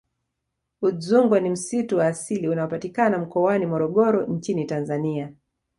Udzungwa ni msitu wa asili unaopatikana mkoani Morogoro nchini Tanzania